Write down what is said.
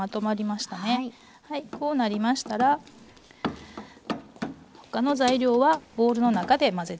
はいこうなりましたら他の材料はボウルの中で混ぜていきます。